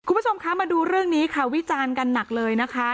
คุณผู้ชมคะมาดูเรื่องนี้ค่ะวิจารณ์กันหนักเลยนะคะ